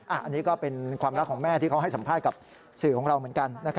อันนี้ก็เป็นความรักของแม่ที่เขาให้สัมภาษณ์กับสื่อของเราเหมือนกัน